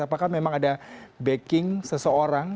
apakah memang ada backing seseorang